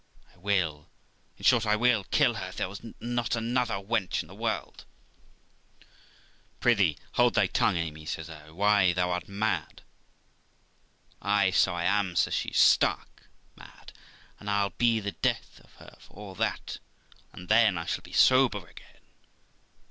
'I will, in short, I will kill her, if there was not another wench in the world,' 'Prithee hold thy tongue, Amy' says I; 'why, thou art mad.' 'Ay, so I am ', says she, ' stark mad ; but I'll be the death of her for all that, and then I shall be sober again.'